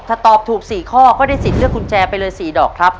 ถ้าตอบถูก๔ข้อก็ได้สิทธิ์เลือกกุญแจไปเลย๔ดอกครับ